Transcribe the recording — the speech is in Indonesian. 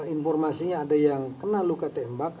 informasinya ada yang soka tembak